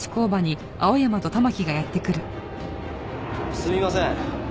すみません。